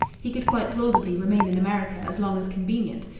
He could quite plausibly remain in America as long as convenient.